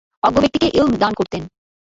অজ্ঞ ব্যক্তিকে ইলম দান করতেন।